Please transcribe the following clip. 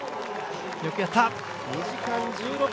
よくやった。